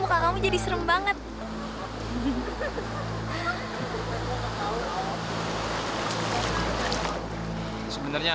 kamu ingat kan